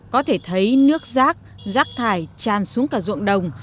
có thể thấy nước rác rác thải tràn xuống cả ruộng đồng